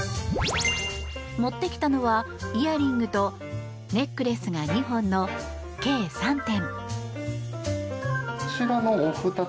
持ってきたのはイヤリングとネックレスが２本の計３点。